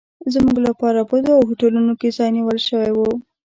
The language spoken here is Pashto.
زموږ لپاره په دوو هوټلونو کې ځای نیول شوی و.